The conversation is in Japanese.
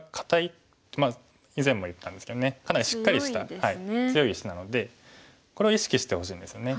以前も言ったんですけどねかなりしっかりした強い石なのでこれを意識してほしいんですね。